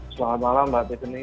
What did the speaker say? selamat malam mbak tiffany